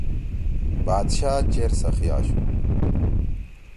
بادشاہ چیر سخی آشُو۔